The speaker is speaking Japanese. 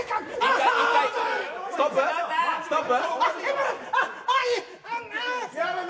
ストップ。